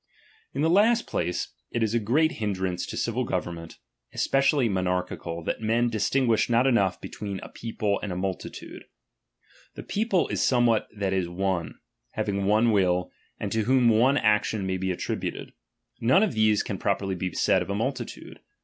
In the last place, it is a great hindrance to civil government, especially monarchical, that men :e, distinguish not enough between a people and a ^'™ multitude. The people is somewhat that is owe, having one will, and to whom one action may be attributed; none of these can properly be said of a multitude.